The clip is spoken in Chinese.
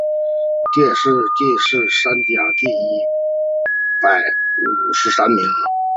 殿试登进士第三甲第一百五十三名。